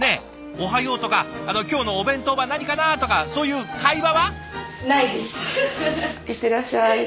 「おはよう」とか「今日のお弁当は何かな？」とかそういう会話は？